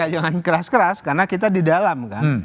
jangan keras keras karena kita di dalam kan